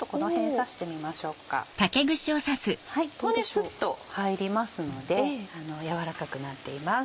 スッと入りますので軟らかくなっています。